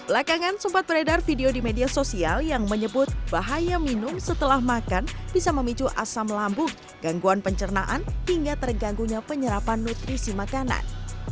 lakangan sempat beredar video di media sosial yang menyebut bahaya minum setelah makan bisa memicu asam lambung gangguan pencernaan hingga terganggunya penyerapan nutrisi makanan